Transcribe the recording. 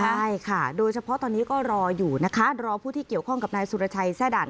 ใช่ค่ะโดยเฉพาะตอนนี้ก็รออยู่นะคะรอผู้ที่เกี่ยวข้องกับนายสุรชัยแทร่ด่าน